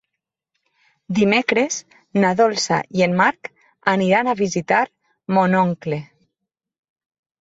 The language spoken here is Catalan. Dimecres na Dolça i en Marc aniran a visitar mon oncle.